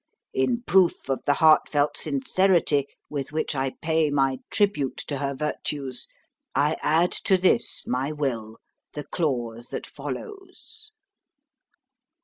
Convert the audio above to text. In proof of the heartfelt sincerity with which I pay my tribute to her virtues, I add to this, my will, the clause that follows."